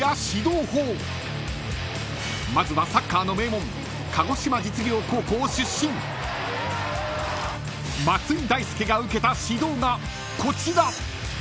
［まずはサッカーの名門鹿児島実業高校出身松井大輔が受けた指導がこちら］